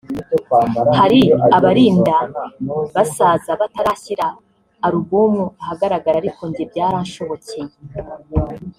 hari abarinda basaza batarashyira alubumu ahagaragara ariko njye byaranshobokeye